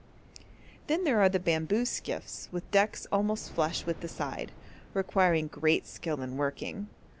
Then there are the bamboo skiffs with decks almost flush with the side, requiring great skill in working.